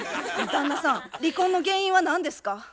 旦那さん離婚の原因は何ですか？